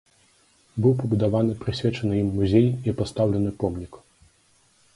Быў пабудаваны прысвечаны ім музей і пастаўлены помнік.